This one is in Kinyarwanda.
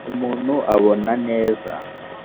umuntu abona neza.